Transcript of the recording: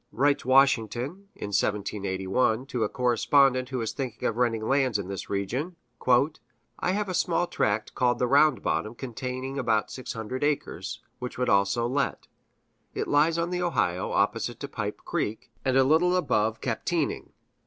Writes Washington, in 1781, to a correspondent who is thinking of renting lands in this region: "I have a small tract called the round bottom containing about 600 Acres, which would also let. It lyes on the Ohio, opposite to pipe Creek, and a little above Capteening."